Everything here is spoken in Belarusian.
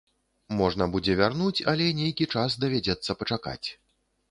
Можна будзе вярнуць, але нейкі час давядзецца пачакаць.